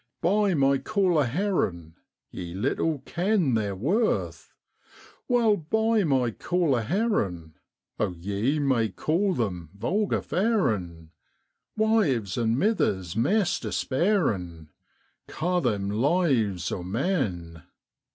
Buy my caller herrin' ! Ye little ken their worth, Wha'll buy my caller herrin' ? Oh ye may call them vulgar f arin' ; Wives and mithers, maist despairin', Ca' them lives o' men.'